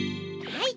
はい！